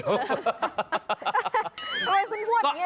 อะไรคุณพูดเงี่ย